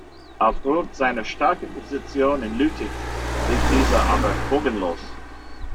Auf Grund seiner starken Position in Lüttich blieb diese aber folgenlos.